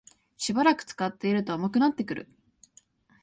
しばらく使っていると重くなってくる